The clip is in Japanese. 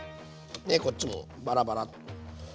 でこっちもバラバラッと。